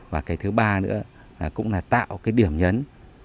và cái thứ ba nữa cũng là tạo cái điểm nhấn